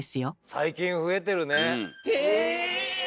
最近増えてるね。